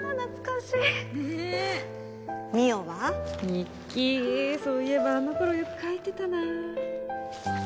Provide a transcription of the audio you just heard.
そういえばあの頃よく書いてたなあ。